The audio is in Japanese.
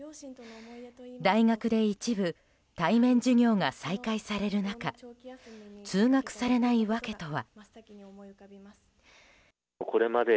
大学で一部対面授業が再開される中通学されない訳とは。